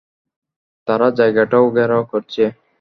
তারা জায়গাটা ঘেরাও করছে।